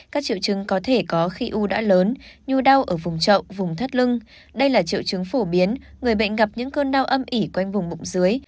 các triệu chứng có thể có khi u đã lớn nhu đau ở vùng trậu vùng thắt lưng đây là triệu chứng phổ biến người bệnh gặp những cơn đau âm ỉ quanh vùng bụng dưới